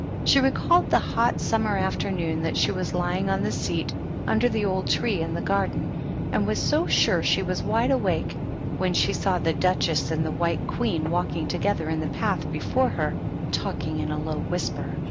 She recalled the hot summer afternoon that she was lying on the seat under the old tree in the garden, and was so sure she was wide awake, when she saw the Duchess and the White Queen walking together in the path before her, talking in a low whisper.